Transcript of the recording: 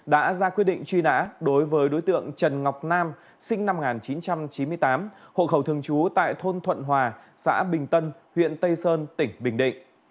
đã ra quyết định truy nã đối với đối tượng trần ngọc nam sinh năm một nghìn chín trăm chín mươi tám hộ khẩu thường trú tại thôn thuận hòa xã bình tân huyện tây sơn tỉnh bình định